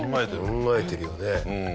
考えてるよね。